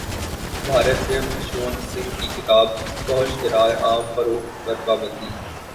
بھارت میں خشونت سنگھ کی کتاب فحش قرار عام فروخت پر پابندی